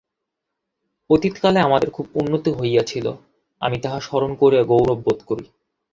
অতীতকালে আমাদের খুব উন্নতি হইয়াছিল, আমি তাহা স্মরণ করিয়া গৌরব বোধ করি।